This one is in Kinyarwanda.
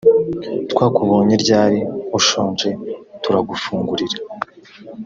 twakubonye ryari ushonje turagufungurira